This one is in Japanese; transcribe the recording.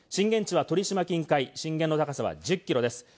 震源地は鳥島近海、震源の高さは１０キロです。